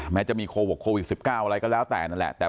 แม้จะมีโควิด๑๙อะไรก็แล้วแต่นั่นแหละ